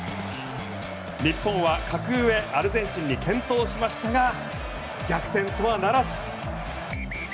日本は格上アルゼンチンに健闘しましたが逆転とはならず。